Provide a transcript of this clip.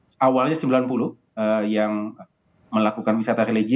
jadi awalnya sembilan puluh yang melakukan wisata religi